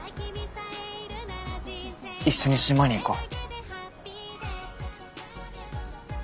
一緒に島に行こう。